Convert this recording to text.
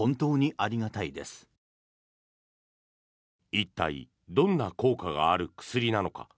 一体、どんな効果がある薬なのか。